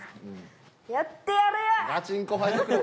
「やってやるよ！」。